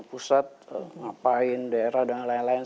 pusat ngapain daerah dan lain lain